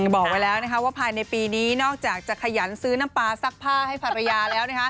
บอกไว้แล้วว่าภายในปีนี้นอกจากจะขยันซื้อน้ำปลาซักผ้าให้ภรรยาแล้ว